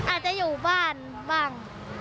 อาจจะอยู่บ้านบ้าง